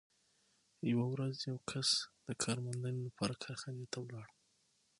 یوه ورځ یو کس د کار موندنې لپاره کارخانې ته ولاړ